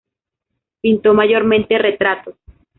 Pintó mayormente retratos.